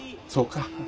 そうか。